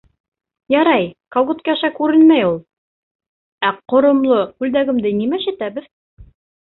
— Ярай, колготки аша күренмәй ул, ә ҡоромло күлдәгемде нимә эшләтәбеҙ?